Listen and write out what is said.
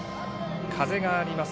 風があります。